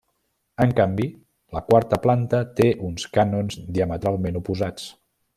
En canvi, la quarta planta té uns cànons diametralment oposats.